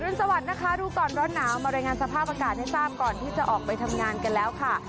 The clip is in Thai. รุนสวัสดิ์นะคะดูก่อนร้อนหนาวมารายงานสภาพอากาศให้ทราบก่อนที่จะออกไปทำงานกันแล้วค่ะ